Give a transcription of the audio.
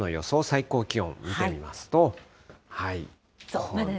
最高気温見てみますと。